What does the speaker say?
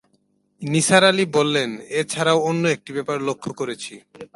নিসার আলি বললেন, এ ছাড়াও অন্য একটি ব্যাপার লক্ষ করেছি।